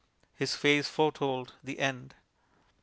His face foretold the end.